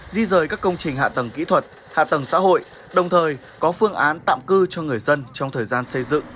di rời các công trình hạ tầng kỹ thuật hạ tầng xã hội đồng thời có phương án tạm cư cho người dân trong thời gian xây dựng